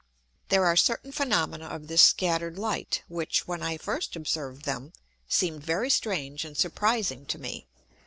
There are certain Phænomena of this scatter'd Light, which when I first observed them, seem'd very strange and surprizing to me.